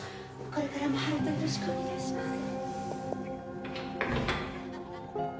これからも温人をよろしくお願いします